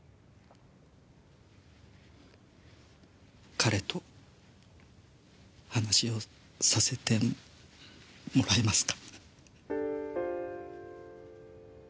彼と話をさせてもらえますか？